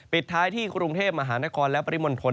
ปิดท้ายที่กรุงเทพมหานครและปริมณฑล